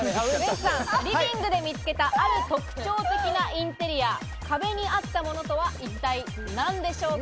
リビングで見つけた、ある特徴的なインテリア、壁にあったものとは一体何でしょうか？